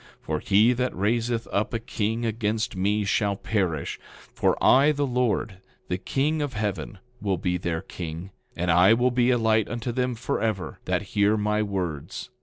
10:14 For he that raiseth up a king against me shall perish, for I, the Lord, the king of heaven, will be their king, and I will be a light unto them forever, that hear my words.